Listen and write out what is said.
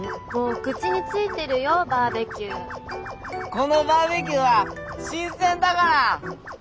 このバーベキューは新鮮だから。